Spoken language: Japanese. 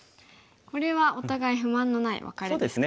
これはお互い不満のないワカレですかね。